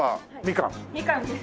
みかんです。